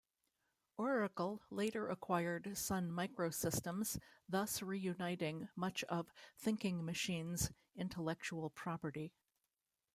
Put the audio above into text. Oracle later acquired Sun Microsystems, thus re-uniting much of Thinking Machines' intellectual property.